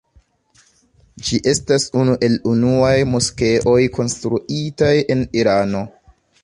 Ĝi estas unu el unuaj moskeoj konstruitaj en Irano.